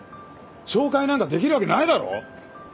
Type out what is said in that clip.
紹介なんかできるわけないだろ。